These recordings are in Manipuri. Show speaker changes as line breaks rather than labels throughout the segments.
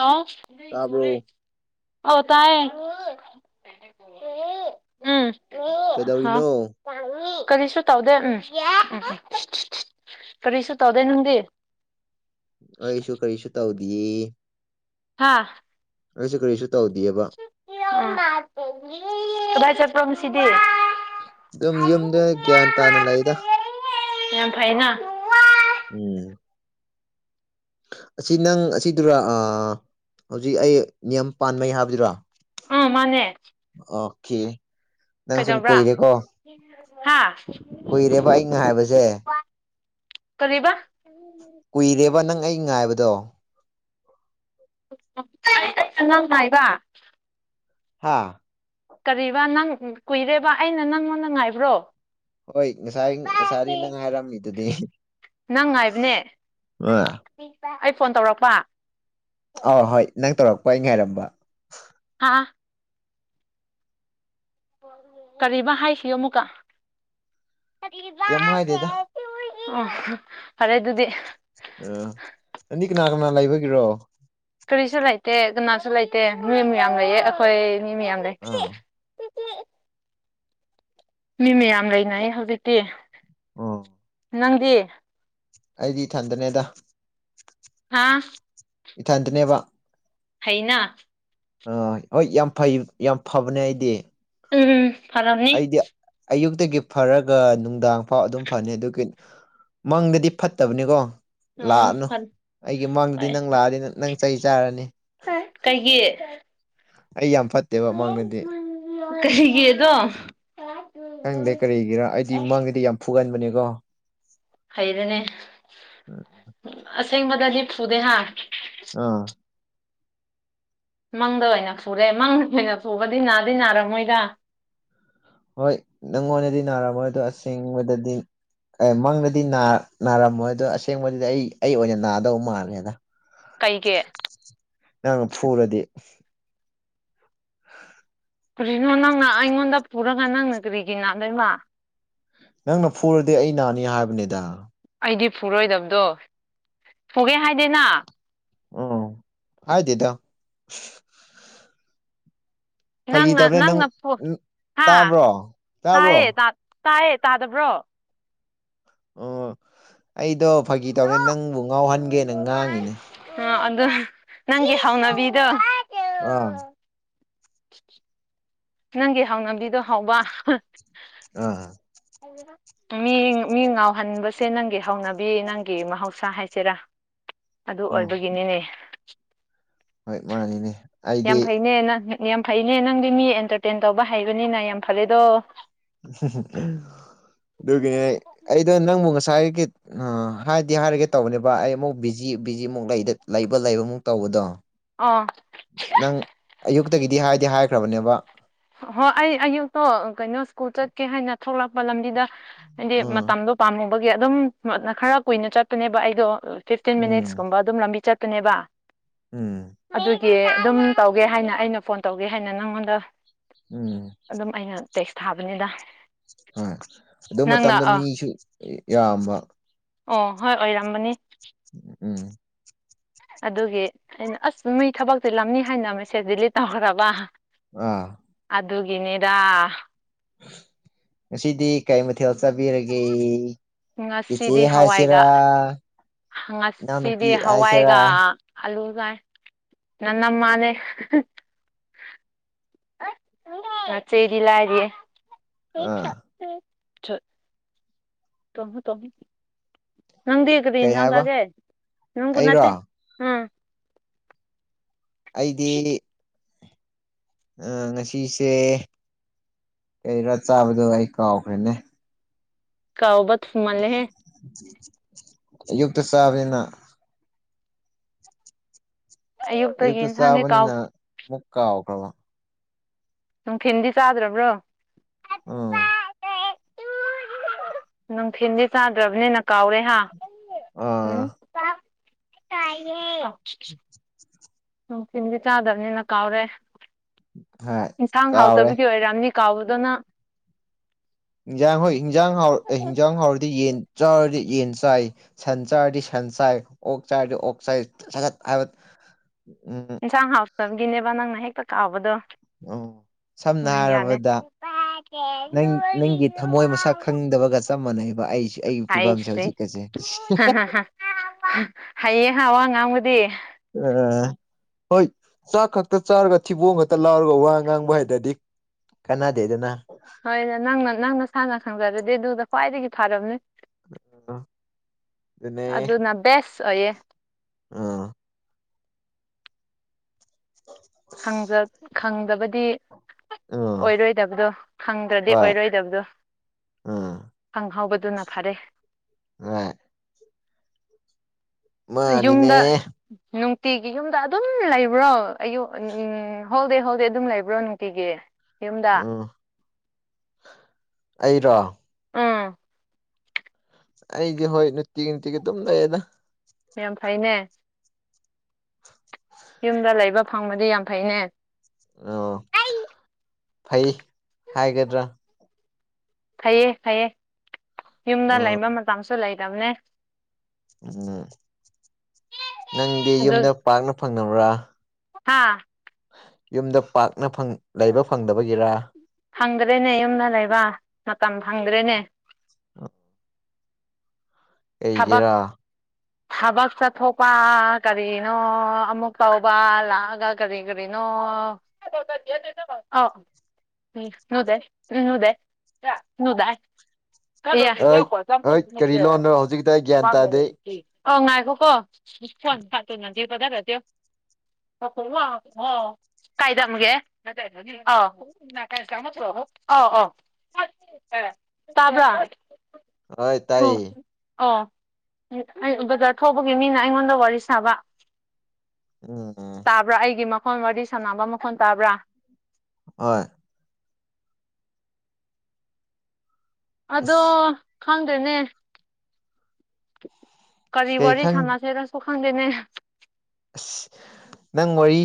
ꯍꯜꯂꯣ
ꯇꯥꯕ꯭ꯔꯣ
ꯑꯣ ꯇꯥꯏꯌꯦ ꯎꯝ ꯍꯥ
ꯀꯩꯗꯧꯔꯤꯅꯣ
ꯀꯔꯤꯁꯨ ꯇꯧꯗꯦ ꯎꯝ ꯎꯝ ꯀꯔꯤꯁꯨ ꯇꯧꯗꯦ ꯅꯪꯗꯤ
ꯑꯩꯁꯨ ꯀꯔꯤꯁꯨ ꯇꯧꯗꯌꯦ
ꯍꯥꯥ
ꯑꯁꯨ ꯀꯔꯤꯁ
ꯗ ꯆꯄꯝꯁꯤꯗꯤ
ꯑꯗꯨꯝ ꯌꯨꯝꯗ ꯒ꯭ꯌꯥꯟ ꯇꯥꯅ ꯂꯩꯗ
ꯌꯥꯝ ꯐꯥꯏꯅ
ꯎꯝ ꯑꯁꯤ ꯅꯪ ꯑꯁꯤꯗꯨꯔ ꯍꯧꯖꯤꯛ ꯑꯩ ꯅꯤꯌꯝ ꯄꯥꯟꯕꯥꯟꯩ ꯍꯥꯏꯕꯗꯨꯔꯣ
ꯑꯥ ꯃꯅꯦ
ꯑꯣ ꯅꯪ ꯁꯨꯝ ꯀꯩꯔꯦꯀꯣ
ꯍꯥꯥ
ꯀꯨꯏꯔꯦꯕ ꯑꯩꯅ ꯍꯥꯏꯕꯁꯦ
ꯀꯕ
ꯀꯨꯏꯔꯦꯕ ꯅꯪ ꯑꯩ ꯉꯥꯏꯕꯗꯣ
ꯉꯥꯡꯅꯏꯕ
ꯍꯥꯥ
ꯀꯔꯤꯕ ꯅꯪ ꯀꯨꯏꯔꯦꯕ ꯑꯩꯅ ꯅꯪꯉꯣꯟꯗ ꯉꯥꯏꯕ꯭ꯔꯣ
ꯍꯣꯏ ꯉꯁꯥꯏ ꯉꯁꯥꯏꯔꯤ ꯅꯪ ꯍꯥꯏꯔꯝꯃꯤꯗꯨꯗꯤ ꯑꯥ
ꯑ ꯐꯣꯟ ꯇꯧꯔꯛꯄ
ꯑ ꯍꯣꯏ ꯅꯪ ꯇꯧꯔꯛꯄ ꯑꯩ ꯉꯥꯏꯔꯝꯕ
ꯑ ꯀꯔꯤꯕꯥ ꯍꯥꯏꯁꯤꯣ ꯑꯃꯨꯛꯀ
ꯀꯩꯝ ꯍꯥꯏꯗꯦꯗ
ꯑꯣ ꯐꯔꯦ ꯑꯗꯨꯗꯤ
ꯑ ꯑꯅꯤ ꯀꯅꯥ ꯀꯅꯥ ꯂꯩꯕꯒꯤꯔꯣ
ꯀꯔꯤꯁꯨ ꯂꯩꯇꯦ ꯀꯅꯥꯁꯨ ꯂꯩꯇꯦ ꯃꯤ ꯃꯌꯥꯝ ꯂꯩꯌꯦ ꯑꯩꯈꯣꯏ ꯃꯤ ꯃꯌꯥꯝ ꯂꯩ
ꯑꯥ
ꯃꯤ ꯃꯌꯥꯝ ꯂꯩꯅꯩ ꯍꯧꯖꯤꯛꯇꯤ
ꯑ
ꯅꯪꯗꯤ
ꯑꯩꯗꯤ ꯏ ꯊꯟꯗꯅꯦꯗ
ꯍꯥ
ꯏꯊꯇꯅꯦꯕ
ꯍꯩꯅ
ꯑ ꯍꯣꯏ ꯌꯥꯝ ꯐꯩ ꯌꯥꯝ ꯐꯕꯅꯦ ꯑꯩꯗꯤ
ꯎꯝ ꯎꯝ ꯐꯔꯝꯅꯤ
ꯑꯩꯗꯤ ꯑꯌꯨꯛꯇꯒꯤ ꯐꯔꯒ ꯅꯨꯡꯗꯥꯡꯐꯥꯎ ꯑꯗꯨꯝ ꯐꯅꯤ ꯑꯗꯨꯒꯤ ꯃꯪꯗꯗꯤ ꯐꯠꯇꯕꯅꯤꯀꯣ
ꯑꯣ
ꯂꯥꯛꯑꯅꯨ ꯑꯩꯒꯤ ꯃꯃꯥꯡꯗꯨꯗꯤ ꯅꯪ ꯂꯥꯛꯑꯅꯤ ꯅꯪ ꯆꯩ ꯆꯥꯔꯅꯤ
ꯀꯩꯒꯤ
ꯑꯩ ꯌꯥꯝ ꯐꯠꯇꯦꯕ ꯃꯥꯡꯗꯗꯤ
ꯀꯔꯤꯒꯤꯦꯗ
ꯈꯪꯗꯦ ꯀꯔꯤꯒꯤꯔ ꯑꯩꯗꯤ ꯃꯪꯒꯤꯗꯤ ꯌꯥꯝ ꯐꯨꯒꯟꯕꯅꯦꯀꯣ
ꯍꯩꯔꯅꯦ ꯑꯁꯦꯡꯕꯗꯗꯤ ꯐꯨꯗꯦ ꯍꯥ
ꯑꯥ
ꯃꯪꯗ ꯑꯣꯏꯅ ꯐꯨꯔꯦ ꯃꯪ ꯑꯣꯏꯅ ꯐꯨꯕꯗꯤ ꯅꯥꯗꯤ ꯅꯥꯔꯝꯃꯣꯏꯗ
ꯍꯣꯏ ꯅꯪꯉꯣꯟꯗꯗꯤ ꯅꯥꯔꯝꯃꯣꯏꯗꯣ ꯑꯁꯦꯡꯕꯗꯗꯤ ꯑꯦ ꯃꯪꯗꯗꯤ ꯅꯥꯔꯝꯃꯣꯏ ꯑꯗꯣ ꯑꯁꯦꯡꯕꯗꯨꯗꯤ ꯑꯩ ꯑꯩ ꯑꯣꯏꯅ ꯅꯥꯗꯧ ꯃꯥꯜꯂꯦꯗ
ꯀꯩꯒꯤ
ꯑ ꯅꯪ ꯐꯨꯔꯗꯤ
ꯀꯔꯤꯅꯣ ꯅꯪꯅ ꯑꯩꯉꯣꯟꯗ ꯄꯨꯔꯒ ꯅꯪꯅ ꯀꯔꯤꯒꯤ ꯅꯥꯗꯣꯏꯃ
ꯅꯪꯅ ꯐꯨꯔꯗꯤ ꯑꯩ ꯅꯥꯅꯤ ꯍꯥꯏꯕꯅꯤꯗ
ꯑꯩꯗꯤ ꯐꯨꯔꯣꯏꯗꯕꯗꯣ ꯐꯨꯒꯦ ꯍꯥꯏꯗꯦꯅ
ꯑꯣ ꯍꯥꯏꯗꯦꯗ ꯐꯥꯒꯤ
ꯅꯪꯅ
ꯇꯕꯅꯦ ꯅꯪ
ꯅꯪꯅ ꯐꫭ ꯍꯥꯥ
ꯇꯥꯕ꯭ꯔꯣ ꯇꯥꯕ꯭ꯔꯣ
ꯇꯥꯏꯌꯦ ꯇꯥ ꯇꯥꯏꯌꯦ ꯇꯥꯗꯕ꯭ꯔꯣ
ꯑꯣ ꯑꯩꯗꯣ ꯐꯥꯒꯤ ꯇꯧꯅꯦ ꯅꯪꯕꯨ ꯉꯥꯎꯍꯟꯒꯦꯅ ꯉꯥꯡꯉꯤꯅꯦ
ꯑ ꯑꯗꯨ ꯅꯪꯒꯤ ꯍꯥꯎꯅꯕꯤꯗꯣ
ꯑꯥ
ꯅꯪꯒꯤ ꯍꯥꯎꯅꯕꯤꯗꯣ ꯍꯥꯎꯕ
ꯑꯥ
ꯃꯤ ꯃꯤ ꯉꯥꯎꯍꯟꯕꯁꯦ ꯅꯪꯒꯤ ꯍꯧꯅꯕꯤ ꯅꯪꯒꯤ ꯃꯍꯧꯁꯥ ꯍꯥꯏꯁꯤꯔꯥ ꯑꯗꯨ
ꯎꯝ
ꯑꯣꯏꯕꯒꯤꯅꯤꯅꯦ
ꯍꯣꯏ ꯃꯥꯅꯤꯅꯦ ꯑꯩꯗꯤ
ꯌꯥꯝ ꯐꯩꯅꯦ ꯅꯪ ꯌꯥꯝ ꯐꯩꯅꯦ ꯅꯪꯗꯤ ꯃꯤ ꯑꯦꯟꯇꯔꯇꯦꯟ ꯇꯧꯕ ꯍꯩꯕꯅꯤꯅ ꯌꯥꯝ ꯐꯔꯦꯗꯣ
ꯑꯗꯨꯒꯤꯅꯦ ꯑꯩꯗꯣ ꯅꯪꯕꯨ ꯉꯁꯥꯏ ꯉꯁꯥꯏꯒꯦ ꯅ ꯍꯥꯏꯗꯤ ꯍꯥꯏꯔꯒꯦ ꯇꯧꯕꯅꯦꯕ ꯑꯩ ꯑꯃꯨꯛ ꯕꯤꯖꯤ ꯕꯤꯖꯤꯃꯨꯛ ꯂꯩꯗ ꯂꯩꯕ ꯂꯩꯕꯃꯨꯛ ꯇꯧꯕꯗꯣ
ꯑ
ꯅꯪ ꯑꯌꯨꯛꯇꯒꯤꯗꯤ ꯍꯥꯏꯗꯤ ꯍꯥꯏꯈ꯭ꯔꯕꯅꯦꯕ
ꯍꯣꯏ ꯑꯩ ꯑꯌꯨꯛꯇꯣ ꯀꯩꯅꯣ ꯁ꯭ꯀꯨꯜ ꯆꯠꯀꯦ ꯍꯥꯏꯅ ꯊꯣꯛꯂꯛꯄ ꯂꯝꯕꯤꯗ ꯍꯥꯏꯗꯤ
ꯎꯝ
ꯃꯇꯝꯗꯣ ꯄꯥꯝꯃꯨꯕꯒꯤ ꯑꯗꯨꯝ ꯃ ꯅ ꯈꯔ ꯀꯨꯏꯅ ꯆꯠꯄꯅꯦꯕ ꯑꯩꯗꯣ ꯐꯤꯐꯇꯤꯟ
ꯎꯝ
ꯃꯤꯅꯤꯠꯁꯀꯨꯝꯕ ꯑꯗꯨꯝ ꯂꯝꯕꯤ ꯆꯠꯄꯅꯦꯕ
ꯎꯝ
ꯑꯗꯨ ꯒꯤ ꯑꯗꯨꯝ ꯇꯧꯒꯦ ꯍꯥꯏꯅ ꯑꯩꯅ ꯐꯣꯟ ꯇꯧꯒꯦ ꯍꯥꯏꯅ ꯅꯪꯉꯣꯟꯗ
ꯎꯝ
ꯑꯗꯨꯝ ꯑꯩꯅ ꯇꯦꯛꯁ ꯊꯥꯕꯅꯤꯗ
ꯍꫭꯏ ꯑꯗꯨ
ꯅꯪꯅ
ꯃꯇꯝꯗ
ꯑꯥ
ꯃꯤꯁꯨ ꯌꯥꯝꯕ
ꯑꯣ ꯍꯣꯏ ꯑꯣꯏꯔꯥꯝꯃꯅꯤ
ꯎꯝ
ꯑꯗꯨꯒꯤ ꯑꯩꯅ ꯑꯁ ꯃꯣꯏ ꯊꯕꯛ ꯆꯤꯜꯂꯝꯅꯤ ꯍꯥꯏꯅ ꯃꯦꯁꯦꯖ ꯗꯤꯂꯤꯠ ꯇꯧꯈ꯭ꯔꯕ
ꯑꯥ
ꯑꯗꯨꯒꯤꯅꯤꯗ
ꯉꯁꯤꯗꯤ ꯀꯩ ꯃꯊꯦꯜ ꯆꯕꯤꯔꯒꯦ ꯏꯆꯦ ꯍꯥꯏꯁꯤꯔꯥ
ꯍ
ꯏꯅꯥꯎꯅꯨꯄꯤ
ꯉꯁꯤꯗꯤ
ꯍꯥꯏꯁꯤꯔꯥ
ꯍꯋꯥꯏꯒ ꯑꯂꯨ ꯅꯟꯅꯝꯃꯅꯦ ꯅꯆꯦꯗꯤ ꯂꯥꯏꯏꯔꯤꯌꯦ [inaudible]
ꯑꯥ
ꯇꫭꯃꯣ ꯇꫭꯃꫭ ꯅꯪꯗꯤ ꯀꯔꯤ
ꯀꯩ
ꯏꯟꯁꯥꯡ
ꯍꯥꯏꯕ
ꯆꯥꯒꯦ ꯅꯪꯕꯨ
ꯑꯩꯔꯣ
ꯅꯠꯇꯦ ꯎꯝ
ꯑꯩꯗꯤ ꯑ ꯉꯁꯤꯁꯦ ꯀꯩꯔꯥ ꯆꯥꯕꯗꯣ ꯑꯩ ꯀꯥꯎꯈ꯭ꯔꯦꯅꯦ
ꯀꯥꯎꯕ ꯊꯨꯃꯜꯂꯦꯍꯦ
ꯑꯌꯨꯛꯇ ꯆꯥꯕꯅꯤꯅ
ꯑꯌꯨꯛꯇꯒꯤ
ꯑꯌꯨꯛꯇ
ꯏꯟꯁꯥꯡꯗꯤ ꯀꯥꯎ
ꯆꯥꯕꯅꯤꯅ ꯑꯃꯨꯛ ꯀꯥꯎꯈ꯭ꯔꯕ
ꯅꯨꯡꯊꯤꯟꯗꯤ ꯆꯥꯗ꯭ꯔꯕ꯭ꯔꯣ
ꯑꯥ
ꯅꯨꯡꯊꯤꯟꯗꯤ ꯆꯥꯗ꯭ꯔꯕꯅꯤꯅ ꯀꯥꯎꯔꯦ ꯍꯥꯥ ꯎꯝ
ꯑꯥ
ꯅꯨꯡꯊꯤꯟꯗꯤ ꯆꯥꯗꯕꯅꯤꯅ ꯀꯥꯎꯔꯦ
ꯍꯣꯏ
ꯏꯟꯁꯥꯡ
ꯀꯥꯎꯔꯦ
ꯍꯥꯎꯇꯕꯒꯤ ꯑꯣꯏꯔꯥꯝꯅꯤ ꯀꯥꯎꯕꯗꫭ ꯅꯥ
ꯍꯤꯟꯖꯥꯡ ꯍꯣꯏ ꯍꯤꯟꯖꯥꯡ ꯍꯥꯎ ꯑ ꯍꯤꯟꯖꯥꯡ ꯍꯥꯎꯔꯗꯤ ꯌꯦꯟ ꯆꯥꯔꯗꯤ ꯌꯦꯟ ꯆꯥꯏ ꯁꯟ ꯆꯥꯔꯗꯤ ꯁꯟ ꯆꯥꯏ ꯑꯣꯛ ꯆꯥꯔꯗꯤ ꯑꯣꯛ ꯆꯥꯏꯠ ꯍꯥꯏꯕ ꯎꯝ
ꯆꯒꯤꯅꯦꯕ ꯅꯪꯅ ꯍꯦꯛꯇ ꯀꯥꯎꯕꯗꯣ
ꯑ [unintelligible] ꯁꯝꯅ
ꯎꯝ ꯌꯥꯗꯦ
ꯍꯥꯏꯔꯕꯗ ꯅꯪ ꯅꯪꯒꯤ ꯊꯝꯃꯣꯏ ꯃꯁꯛ ꯈꯪꯗꯕꯒ ꯆꯞ ꯃꯥꯟꯅꯩ ꯑꯩꯁꯨ ꯑꯩꯒꯤ ꯐꯤꯕꯝꯁꯦ
ꯍꯥꯏꯁꯦ
ꯍꯧꯖꯤꯛꯀꯁꯦ
ꯍꯩꯌꯦ ꯍꯥ ꯋꯥ ꯉꯥꯡꯕꯗꯤ
ꯑ [inaudible] ꯍꯣꯏ ꯆꯥꯛ ꯈꯛꯇ ꯆꯥꯔꯒ ꯊꯤꯕꯣꯡ ꯈꯛꯇ ꯂꯥꯎꯔꯒ ꯋꯥ ꯉꯥꯡꯕ ꯍꯥꯏꯗꯔꯗꯤ ꯀꯅꯥ ꯗꯦꯗꯅ
ꯍꯣꯏ ꯅꯪꯅ ꯅꯪ ꯅꯁꯥꯅ ꯈꯪꯖꯔꯗꯤ ꯑꯗꯨꯗ ꯈ꯭ꯋꯥꯏꯗꯒꯤ ꯐꯥꯔꯕꯝꯅꯤ
ꯎꯅ [unintelligible] ꯑꯗꯨꯅꯦ
ꯑꯗꯨꯅ ꯕꯦꯁ ꯑꯣꯏꯌꯦ
ꯑꯝ
ꯈꯪꯖ ꯈꯪꯗꯕꯗꯤ
ꯑꯥ
ꯑꯣꯏꯔꯣꯏꯗꯕꯗꯣ ꯈꯪꯗ꯭ꯔꯗꯤ
ꯍꯣꯏ
ꯑꯣꯏꯔꯣꯏꯗꯕꯗꯣ
ꯑꯥ
ꯈꯪꯍꯧꯕ ꯑꯗꯨꯅ ꯐꯔꯦ
ꯑ [inaudible] ꯃꯥꯅꯤꯅꯦ
ꯌꯨꯝꯗ ꯌ [inaudible] ꯅꯨꯡꯇꯤꯒꯤ ꯌꯨꯝꯗ ꯑꯗꯨꯝ ꯂꯩꯕ꯭ꯔꯣ ꯑꯌꯨ ꯎꯝ ꯍꯣꯜꯗꯦ ꯍꯣꯜꯗꯦ ꯑꯗꯨꯝ ꯂꯩꯕ꯭ꯔꯣ ꯅꯨꯡꯇꯤꯒꯤ ꯌꯨꯝꯗ
ꯎꯝ ꯑꯩꯔꯣ
ꯎꯝ
ꯑꯩꯗꯤ ꯍꯣꯏ ꯅꯨꯡꯇꯤꯒꯤ ꯅꯨꯡꯇꯤꯒꯤ ꯑꯗꯨꯝ ꯂꯩꯌꯦꯗ
ꯃꯌꯥꯝ ꯐꯩꯅꯦ ꯌꯨꯝꯗ ꯂꯩꯕ ꯐꯪꯕꯗꯤ ꯌꯥꯝ ꯐꯩꯅꯦ
ꯑꯣ ꯐꯩ ꯍꯥꯏꯒꯗ꯭ꯔꯥ
ꯐꯩꯌꯦ ꯐꯩꯌꯦ ꯌꯨꯝꯗ ꯂꯩꯕ
ꯎꯝ
ꯃꯇꯝꯁꯨ ꯂꯩꯗꯕꯅꯦ
ꯎꯝ ꯅꯪꯗꯤ ꯌꯨꯝꯗ ꯄꯥꯛꯅ ꯐꯪꯅꯕ꯭ꯔꯥ
ꯍꯥꯥ
ꯌꯨꯝꯗ ꯄꯥꯛꯅ ꯂꯩꯕ ꯐꯪꯗꯕꯒꯤꯔꯥ
ꯐꯪꯗ꯭ꯔꯦꯅꯦ ꯌꯨꯝꯗ ꯂꯩꯕ ꯃꯇꯝ ꯐꯪꯗ꯭ꯔꯦꯅꯦ ꯊꯕꯛ
ꯑꯩꯒꯤꯔꯥ
ꯊꯕꯛ ꯆꯠꯊꯣꯛꯄ ꯀꯔꯤꯅꯣ ꯑꯃꯨꯛ ꯇꯧꯕ ꯂꯥꯛꯑꯒ ꯀꯔꯤ ꯀꯔꯤꯅꯣ ꯑꯣ ꯎꯝꯗꯦꯗꯦꯗꯥ ꯀ
ꯍꯣꯏ
ꯀ ꯆꯄ
ꯍꯣꯏ ꯀꯔꯤ ꯂꯣꯟꯅꯣ ꯍꯧꯖꯤꯛꯇ ꯑꯩ ꯒ꯭ꯌꯥꯟ
ꯀ
ꯇꯥꯗꯦ
ꯂꯩ ꯐꯉꯒ ꯀꯣ ꯐꯣꯟ ꯐꯇꯨꯅꯗꯤꯦ ꯇꯗꯥꯗꯠꯇꯣ ꯍ ꯀꯥꯏꯗ ꯃꯒꯦ ꯀꯥꯏ ꯁ ꯑ ꯑ ꯇꯥꯕ꯭ꯔꯥ
ꯍꯣꯏ
ꯎꯝ
ꯇꯥꯏꯌꯦ
ꯑꯣ ꯑꯩ ꯕꯖꯥꯔ ꯊꯧꯕꯒꯤ ꯃꯤꯅ ꯑꯩꯉꯣꯟꯗ ꯋꯥꯔꯤ ꯁꯥꯕ
ꯎꯝ
ꯇꯥꯕ꯭ꯔꯥ ꯑꯩꯒꯤ ꯃꯈꯣꯟ ꯋꯥꯔꯤ ꯁꯥꯟꯅꯕ ꯃꯈꯣꯟꯜ ꯇꯥꯕ꯭ꯔꯥ
ꯍ [inaudible]
ꯑꯗꯣ
ꯑꯁ
ꯈꯪꯗ꯭ꯔꯦꯅꯦ ꯀꯔꯤ
ꯀꯩ
ꯋꯥꯔꯤ
ꯈꯪ
ꯁꯥꯟꯅꯁꯦꯔꯁꯨ ꯈꯪꯗꯦꯅꯦ
ꯑꯁ ꯅꯪ ꯋꯥꯔꯤ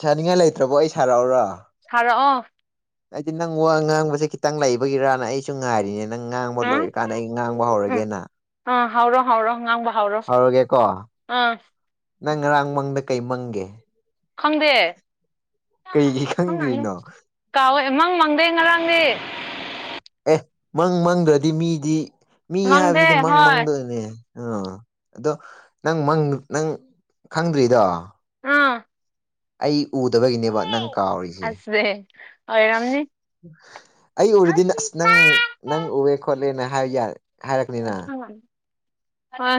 ꯁꯥꯅꯤꯡꯉꯥꯏ ꯂꯩꯇ꯭ꯔꯕꯣ ꯑꯩ ꯁꯥꯔꯛꯎꯔꯣ
ꯁꯔꯥ ꯑꯣ
ꯑꯩꯗꯤ ꯅꯪ ꯋꯥ ꯉꯥꯡꯕꯁꯦ ꯈꯤꯇꯪ ꯂꯩꯕꯒꯤꯔꯥꯅ ꯑꯩꯁꯨ ꯉꯥꯏꯔꯤꯅꯤꯅ ꯅꯪ ꯉꯥꯡꯕ
ꯎꯝ
ꯂꯣꯏꯔꯀꯥꯟꯗ ꯑꯩ ꯉꯥꯡꯕ ꯍꯧꯔꯒꯦꯅ
ꯍꯎꯔꯣ ꯍꯎꯔꯣ ꯉꯥꯡꯕ ꯍꯧꯎꯔꯣ
ꯍꯧꯔꯒꯦꯀꯣ
ꯑꯥ
ꯅꯪ ꯉꯔꯥꯡ ꯃꯪꯗ ꯀꯩ ꯃꯪꯒꯦ
ꯈꯪꯗꯦ
ꯀꯩꯒꯤ
ꯪꯅꯤ
ꯈꯪꯗ꯭ꯔꯤꯅꯣ
ꯀꯥꯎꯋꯦ ꯃꯪ ꯃꯥꯡꯗꯩ ꯉꯔꯥꯡꯗꯤ
ꯑꯦ ꯃꯪ ꯃꯪꯗ꯭ꯔꯗꯤ ꯃꯤꯗꯤ ꯃꯤ
ꯈꯪꯗꯦ
ꯍꯥꯏꯕꯁꯤꯗꯤ ꯃꯪ
ꯍꯣꯏ
ꯃꯪꯗ꯭ꯔꯅꯦ ꯑꯥ ꯑꯗꯣ ꯅꯪꯪ ꯅꯪ ꯈꯪꯗ꯭ꯔꯤꯗꯣ
ꯎꯝ
ꯑꯩ ꯎꯗꯕꯒꯤꯅꯦꯕ ꯅꯪ ꯀꯥꯎꯔꯤꯁꯦ
ꯑꯁꯦ ꯑꯣꯏꯔꯝꯅꯤ
ꯑꯩ ꯎꯔꯤꯗꯤ ꯑꯁ ꯅꯪ ꯅꯪ ꯎꯑꯦ ꯈꯣꯠꯂꯦꯅ ꯍꯥꯏ ꯌꯥꯔꯦ
ꯎ ꯑ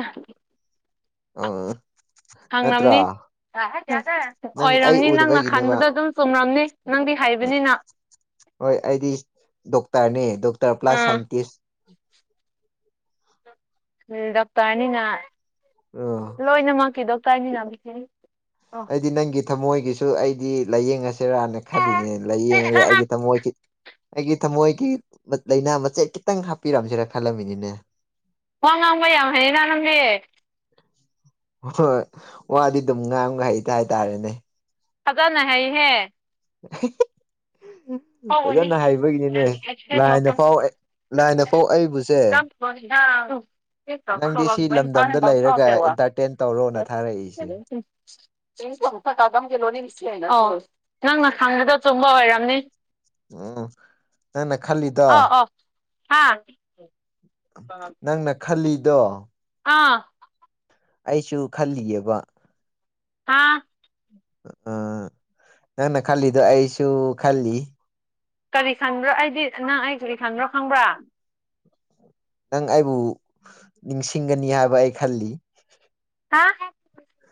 ꯑ ꯅꯠꯇ꯭ꯔ
ꯑꯣꯏꯔꯝꯅꯤ ꯅꯪꯅ
ꯎꯗꯕꯒꯤꯅꯦꯕ
ꯈꯟꯕꯗ ꯑꯗꯨꯝ ꯆꯨꯝꯔꯝꯅꯤ ꯅꯪꯗꯤ ꯍꯥꯏꯕꯅꯤꯅ
ꯍꯣꯏ ꯑꯩꯗꯤ ꯗꯣꯛꯇꯔꯅꯦ ꯗꯣꯛꯇꯔ ꯄ꯭ꯂꯁ
ꯑꯥ
ꯁꯥꯏꯟꯇꯁ
ꯎ ꯗꯣꯛꯇꯔꯅꯤꯅ
ꯑꯥ
ꯂꯣꯏꯅꯃꯛꯀꯤ ꯗꯣꯛꯇꯔꯅꯤꯅ
ꯑꯩꯗꯤ ꯅꯪꯤ ꯊꯝꯃꯣꯏꯒꯤꯁꯨ ꯑꯩꯗꯤ ꯂꯥꯏꯌꯦꯡꯉꯁꯤꯔꯅ ꯈꯜꯂꯤꯅꯦ ꯂꯥꯏꯌꯦꯡꯉꯒ ꯑꯩꯒꯤ ꯊꯝꯃꯣꯏꯒꯤ ꯑꯩꯒꯤ ꯊꯝꯃꯣꯏꯒꯤ ꯂꯥꯏꯅꯥ ꯃꯆꯦꯠ ꯈꯤꯇꯪ ꯍꯥꯞꯄꯤꯔꯝꯁꯤꯦꯔ ꯈꯜꯂꯝꯃꯤꯅꯤꯅꯦ
ꯋꯥ ꯉꯥꯡꯕ ꯌꯥꯝ ꯍꯥꯏꯩꯌꯦꯅ ꯅꯪꯒꯤ
ꯍꯣꯏ ꯋꯥꯗꯤ ꯑꯗꯨꯝ ꯉꯥꯈ ꯍꯩꯇ ꯍꯥꯏꯇꯥꯔꯦꯅꯦ
ꯐꯖꯥꯅ ꯍꯥꯏꯍꯦ ꯑꯧ
ꯐꯖꯅ ꯍꯥꯏꯩꯕꯒꯤꯅꯤꯅꯦ ꯂꯥꯏꯗ ꯐꯥꯎꯋꯦ ꯂꯥꯏꯅꯐꯧ ꯑꯩꯕꯨꯁꯦ ꯅꯪꯗꯤ ꯁꯤ ꯂꯝꯗꯝꯗ ꯂꯩꯔꯒ ꯑꯦꯟꯇꯔꯇꯦꯟ ꯇꯧꯔꯣꯅ ꯊꯥꯔꯛꯏꯁꯦ
ꯑ ꯅꯪꯅ ꯈꯪꯕꯗꯣ ꯆꯨꯝꯕ ꯑꯣꯏꯔꯝꯅꯤ
ꯎꯝ ꯅꯪꯅ ꯈꯜꯂꯤꯗ
ꯍꯥꯥ
ꯅꯪꯅ ꯈꯜꯂꯤꯗꯣ
ꯑꯥ
ꯑꯩꯁꯨ ꯈꯜꯂꯤꯑꯕ
ꯑꯥ
ꯑꯥ ꯅꯪꯅ ꯈꯜꯂꯤꯗꯣ ꯑꯩꯁꯨ ꯈꯜꯂꯤ
ꯀꯔꯤ ꯈꯟꯕ꯭ꯔꯣ ꯑꯩꯗꯤ ꯅꯪ ꯑꯩ ꯀꯔꯤ ꯈꯟꯕ꯭ꯔꯣ ꯈꯪꯕ꯭ꯔꯥ
ꯅꯪ ꯑꯩꯕꯨ ꯅꯤꯡꯁꯤꯡꯒꯅꯤ ꯍꯥꯏꯕ ꯑꯩ ꯈꯜꯂꯤ
ꯀꯥ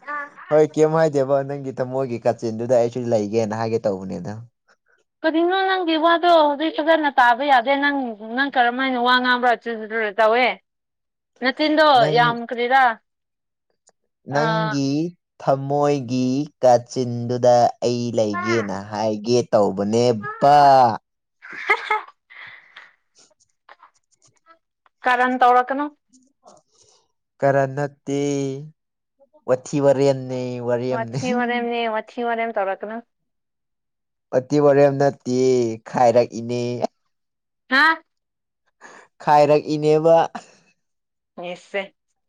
ꯅꯪꯒꯤꯃꯣꯏꯒꯤ ꯀꯥꯆꯤꯟꯗꯨꯗ ꯑꯩꯁꯨ ꯂꯩꯒꯦꯅ ꯍꯥꯏꯒꯦ ꯇꯧꯕꯅꯦꯗ
ꯑꯗꯣ ꯍꯧꯖꯤꯛ ꯐꯖꯅ ꯇꯥꯕ ꯌꯥꯗꯦ ꯅꯪ ꯅꯪ ꯀꯔꯝ ꯍꯥꯏꯅ ꯋꯥ ꯉꯥꯡꯕ꯭ꯔꯥꯗꯨ ꯇꯧꯋꯦ ꯅꯥꯆꯤꯟꯗꯣ
ꯅꯪ
ꯌꯥꯝꯈ꯭ꯔꯦꯔꯥ
ꯅꯪꯒꯤ ꯊꯃꯣꯏꯒꯤ ꯀꯥꯆꯤꯟꯗꯨꯗ ꯑꯩ ꯂꯩꯒꯦꯅ ꯍꯥꯏꯒꯦ ꯇꯧꯕꯅꯦꯕ
[unintelligible] ꯀꯔꯅ ꯇꯧꯔꯀꯅ
ꯀꯅ ꯇ ꯋꯥꯊꯤꯕꯟ
ꯃꯊꯤ ꯃꯔꯦꯝꯅꯦ ꯃꯊꯤ ꯋꯥꯦꯝ ꯇꯧꯔꯛꯀꯅ
ꯑꯇꯤ ꯋꯥꯔꯦꯝ ꯅꯠꯇꯦ ꯈꯥꯏꯔꯛꯏꯅꯦ
ꯍꯥ
ꯈꯥꯏꯔꯛ ꯏꯅꯦꯕ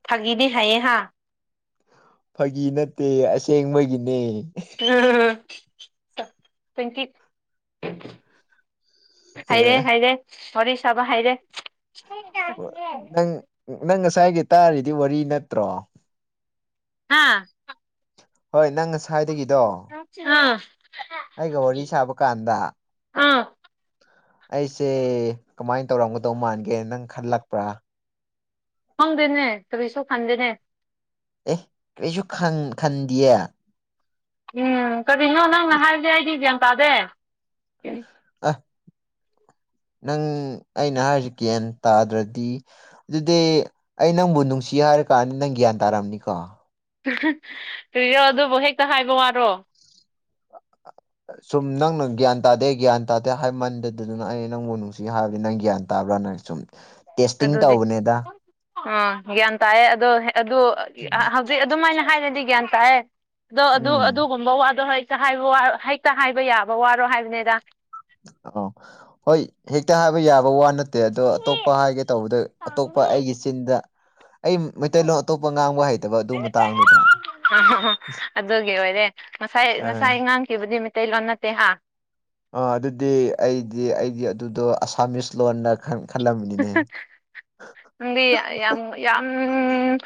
ꯐꯥꯒꯤꯅꯦ ꯍꯥꯏꯌꯦ ꯍꯥ
ꯐꯥꯒꯤ ꯅꯠꯇꯦ ꯑꯁꯦꯡꯕꯒꯤꯅꯦ
ꯀꯤ ꯍꯩꯔꯦ ꯍꯩꯔꯦ ꯍꯣꯔꯁꯕ ꯍꯥꯏꯩꯔꯦ
ꯅꯪ ꯅꯪ ꯉꯁꯥꯏꯒꯤ ꯇꯥꯔꯤꯗꯤ ꯋꯥꯔꯤ ꯅꯠꯇ꯭ꯔꯣ
ꯍꯥꯥ
ꯍꯣꯏ ꯅꯪ ꯉꯁꯥꯏꯗꯒꯤꯗꯣ
ꯑꯥ
ꯑꯩꯒ ꯋꯥꯔꯤ ꯁꯥꯕ ꯀꯥꯟꯗ
ꯑꯥ
ꯑꯩꯁꯦ ꯀꯃꯥꯏꯅ ꯇꯧꯔꯝꯒꯗꯧ ꯃꯥꯟꯒꯦ ꯅꯪ ꯈꯜꯂꯛꯄ꯭ꯔꯥ
ꯐꯪꯗꯦꯅꯦ ꯀꯔꯤꯁꯨ ꯐꯟꯗꯦꯅꯦ
ꯑꯦꯍ ꯀꯩꯁꯨ ꯈꯥꯟꯗꯌꯦ
ꯎꯝ ꯀꯔꯤꯅꯣ ꯅꯪꯅ ꯍꯥꯏꯕꯗꯤ ꯑꯩꯗꯤ ꯒ꯭ꯌꯥꯟ ꯇꯥꯗꯦ
ꯑ
[inaudible]
ꯅꯪ ꯑꯩꯅ ꯍꯥꯏꯔꯤꯁꯤꯒꯟ ꯇꯥꯗ꯭ꯔꯗꯤ ꯑꯗꯨꯗꯤ ꯑꯩ ꯅꯪꯕꯨ ꯅꯨꯡꯁꯤ ꯍꯥꯏꯔ ꯀꯑꯅꯤ ꯅꯪ ꯒ꯭ꯌꯥꯟ ꯇꯥꯔꯝꯅꯤꯀꯣ
ꯀꯨꯔꯣ ꯑꯗꯨꯕꯨ ꯍꯦꯛꯇ ꯍꯥꯏꯕ ꯋꯥꯔꯣ
ꯁꯨꯝ ꯅꯪꯅ ꯒ꯭ꯌꯥꯟ ꯇꯥꯗꯦ ꯒ꯭ꯌꯥꯟ ꯇꯥꯗꯦ ꯍꯥꯏꯕ ꯃꯟꯗꯗꯨꯅ ꯑꯩꯅ ꯅꯪꯕꯨ ꯅꯨꯡꯁꯤ ꯍꯥꯏꯕꯗꯤ ꯅꯪ ꯒ꯭ꯌꯥꯟ ꯇꯥ ꯭ꯔꯥ ꯅꯪ ꯁꯨꯝ ꯇꯦꯁꯇꯤꯡ ꯇꯧꯕꯅꯦꯗ
ꯑꯣ ꯒ꯭ꯌꯥꯟ ꯇꯥꯏꯌꯦ ꯑꯗꯣ ꯑꯗꯨ ꯍꯧꯖꯤꯛ ꯑꯗꯨꯃꯥꯏꯅ ꯍꯥꯏꯔꯗꯤ ꯒ꯭ꯌꯥꯟ ꯇꯥꯑꯦ ꯑꯗꯣ ꯑꯗꯨ
ꯎꯝ
ꯑꯗꯨꯒꯨꯝꯕ ꯋꯥꯗꯣ ꯍ ꯍꯥꯏꯕ ꯍꯦꯛꯇ ꯍꯥꯏꯕ ꯌꯥꯕ ꯋꯥꯔꯣ ꯍꯥꯏꯕꯅꯤꯗ
ꯑ ꯍꯣꯏ ꯍꯦꯛꯇ ꯍꯥꯏꯕ ꯌꯥ ꯋꯥ ꯅꯠꯇꯦ ꯑꯗꯣ ꯑꯇꯣꯞꯄ ꯍꯥꯏꯒꯦ ꯇꯧꯕꯗ ꯑꯇꯣꯞꯄ ꯑꯩꯒꯤ ꯆꯤꯟꯗ ꯑꯩ ꯃꯩꯇꯩꯂꯣꯟ ꯑꯇꯣꯞꯄ ꯉꯥꯡꯕ ꯍꯩꯇꯕ ꯑꯗꯨ ꯃꯇꯥꯡꯗꯨꯨꯗꯅ
ꯑ ꯑꯗꯨꯒꯤ ꯑꯣꯏꯔꯦ ꯉꯁꯥꯏ
ꯑ
ꯉꯁꯥꯏ ꯉꯥꯡꯈꯤꯕꯗꯤ ꯃꯩꯇꯩꯂꯣꯟ ꯅꯠꯇꯦ ꯍꯥ
ꯑꯗꯨꯗꯤ ꯑꯩꯗꯤ ꯑꯩꯗꯤ ꯑꯗꯨꯗꯣ ꯑꯁꯥꯃꯤꯁ ꯂꯣꯟꯅ ꯈꯪ
ꯗꯤ ꯌꯥꯝ ꯌꯥꯝ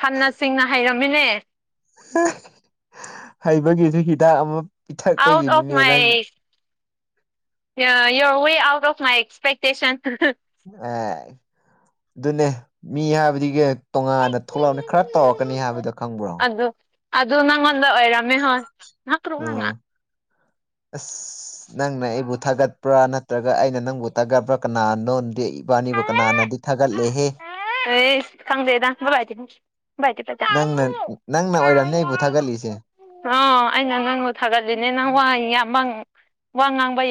ꯐꯅ ꯆꯤꯡꯅ ꯍꯩꯔꯝ ꯃꯤꯅꯦ
ꯍꯩꯕꯒꯤꯁꯨ ꯍꯤꯗꯥꯛ ꯑꯃ
ꯑꯥꯎꯠ
ꯄꯤꯊꯛꯄꯒꯤꯅꯤꯅꯦ ꯅꯪ
ꯌ ꯋꯦ ꯑꯥꯎꯠ ꯑꯣꯐ ꯃꯥꯏ ꯑꯦꯛꯁꯄꯦꯛꯛꯇꯦꯁꯟ
ꯑꯦ ꯑꯗꯨꯅꯦ ꯃꯤ ꯍꯥꯏꯕꯒ ꯇꯣꯉꯥꯟꯅ ꯊꯣꯛꯂꯛꯑꯅꯤ ꯈꯔ ꯇꯧꯔꯛꯀꯅꯤ ꯍꯥꯏꯕꯗꯣ ꯈꯪꯕ꯭ꯔꯣ
ꯑꯗꯨ ꯑꯗꯨ ꯅꯪꯉꯣꯟꯗ ꯑꯣꯏꯔꯝꯃꯦ ꯍꯣꯏ ꯉꯥꯏꯍꯥꯛ ꯇ꯭ꯔꯨꯅꯉꯥ
ꯑꯣ ꯑꯁ ꯅꯪꯅ ꯑꯩꯕꯨ ꯊꯥꯒꯠꯄ꯭ꯔꯥ ꯅꯠꯇ꯭ꯔꯒ ꯑꯩꯅ ꯅꯪꯕꯨ ꯊꯥꯒꯠꯄ꯭ꯔꯥ ꯀꯅꯥꯅꯣ ꯏꯕꯥꯅꯤꯕꯨ ꯀꯅꯥꯅꯗꯤ ꯊꯥꯒꯠꯂꯦꯍꯦ
ꯐ
ꯅꯪꯅ ꯅꯪꯅ ꯑꯣꯏꯔꯝꯅꯦ ꯑꯩꯕꯨ ꯊꯥꯒꯠꯂꯤꯁꯦ
ꯑꯥ ꯑꯩꯅ ꯅꯪꯕꯨ ꯊꯥꯒꯠꯂꯤꯅꯦ ꯅꯪ ꯋꯥꯏ ꯌꯥꯝꯕꯪ ꯋꯥ ꯉꯥꯡꯕ